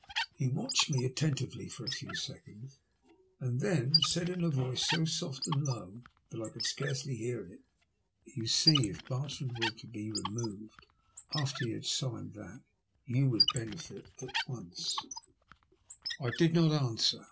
He watched me attentively for a few seconds, and then said in a voice so soft and low that I could scarcely hear it — ^'Tou see, if Bartrand were to be removed after he had signed that you would benefit at once." 54 THE LUST OF HATB. I did not answer.